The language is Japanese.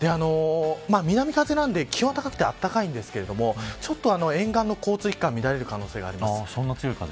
南風なので気温は高く暖かいんですがちょっと沿岸の交通機関が乱れる可能性があります。